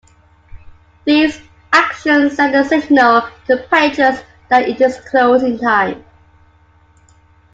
These actions send a signal to patrons that it is closing time.